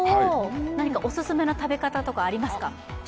何かおすすめな食べ方とかありますか？